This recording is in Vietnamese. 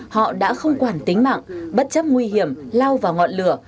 họ đã không quản tính mạng bất chấp nguy hiểm lao vào ngọn lửa